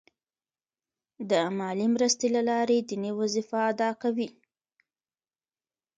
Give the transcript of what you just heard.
د مالي مرستې له لارې دیني وظیفه ادا کوي.